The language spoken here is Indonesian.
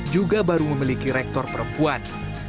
juga baru memiliki rektor perempuan